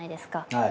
はい。